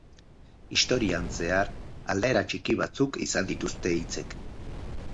Historian zehar aldaera txiki batzuk izan dituzte hitzek.